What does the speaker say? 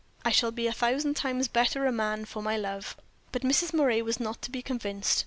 I shall be a thousand times better man for my love." But Mrs. Moray was not to be convinced.